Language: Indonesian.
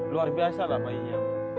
luar biasa lah bayinya